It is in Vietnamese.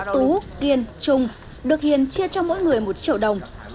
tú kiên trung được hiền chia cho mỗi người một triệu đồng